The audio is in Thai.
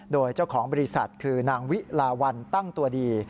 โดยเจ้าของบริษัทคือนางวิลาวันตั้งตัวดี